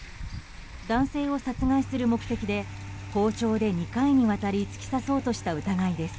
男性を殺害する目的で包丁で２回にわたり突き刺そうとした疑いです。